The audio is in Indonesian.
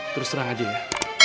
terus terang aja ya